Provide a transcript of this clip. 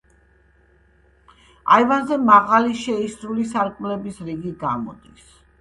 აივანზე მაღალი, შეისრული სარკმელების რიგი გამოდის.